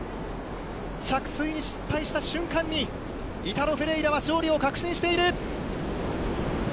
着水に失敗した瞬間に、イタロ・フェレイラは勝利を確信している。